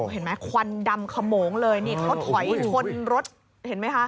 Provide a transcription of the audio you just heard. เห็นไหมควันดำขโมงเลยนี่เขาถอยชนรถเห็นไหมคะ